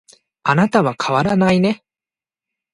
あなたは変わらないね